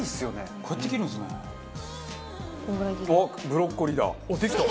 ブロッコリーだ。